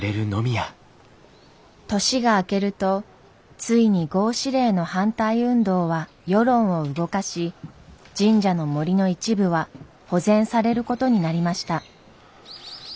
年が明けるとついに合祀令の反対運動は世論を動かし神社の森の一部は保全されることになりました。